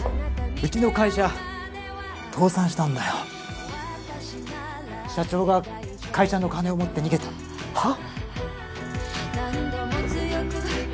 ウチの会社倒産したんだよ社長が会社の金を持って逃げたはッ？